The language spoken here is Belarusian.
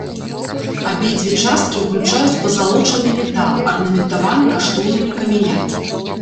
Абедзве часткі ўключаюць пазалочаны метал, арнаментаваны каштоўнымі камянямі.